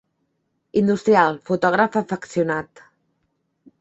Industrial, fotògraf afeccionat.